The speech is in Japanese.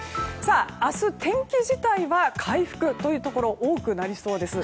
明日、天気自体は回復というところが多くなりそうです。